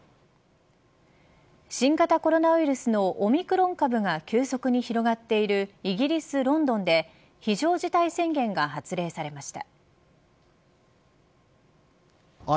新型コロナウイルスのオミクロン株が急速に広がっているイギリス、ロンドンで非常事態宣言が発令されました。